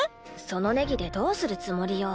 そのネギでどうするつもりよ？